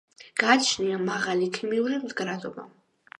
გააჩნია მაღალი ქიმიური მდგრადობა.